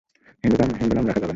হিন্দু নাম রাখা যাবে না।